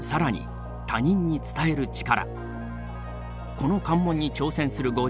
この関門に挑戦する５０人。